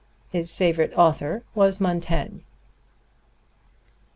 His favorite author was Montaigne.